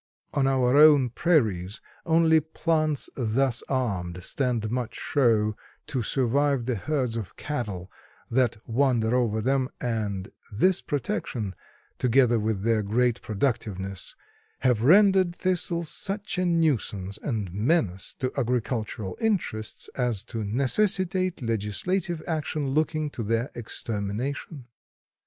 On our own prairies only plants thus armed stand much show to survive the herds of cattle that wander over them, and this protection, together with their great productiveness, have rendered Thistles such a nuisance and menace to agricultural interests as to necessitate legislative action looking to their extermination.